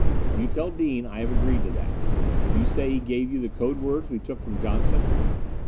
"You tell Dean I have agreed to that. You say he gave you the code words we took from Johnson?"